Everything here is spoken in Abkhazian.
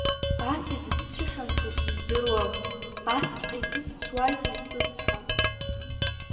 Ас изсцәыхьанҭоу сыздыруам, асҵәҟьа изҵысуазеи сыцҳа?!